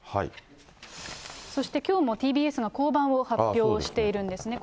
そしてきょうもＴＢＳが降板を発表しているんですね。